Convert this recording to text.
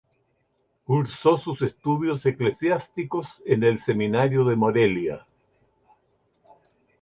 Cursó sus estudios eclesiásticos en el Seminario de Morelia.